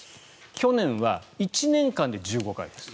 去年は１年間で１５回です。